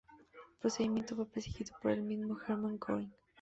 El procedimiento fue presidido por el mismo Hermann Göring.